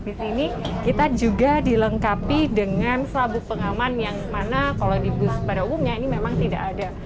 di sini kita juga dilengkapi dengan sabuk pengaman yang mana kalau di bus pada umumnya ini memang tidak ada